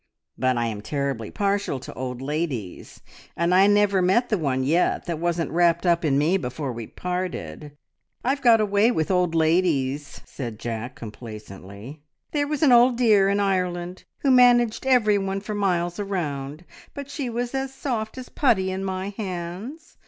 "But I am terribly partial to old ladies, and I never met the one yet that wasn't wrapped up in me before we parted. I've got a way with old ladies!" said Jack complacently. "There was an old dear in Ireland who managed everyone for miles around, but she was as soft as putty in my hands.